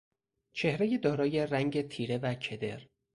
چهرهی دارای رنگ تیره و کدر